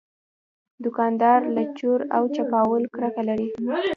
دوکاندار له چور او چپاول کرکه لري.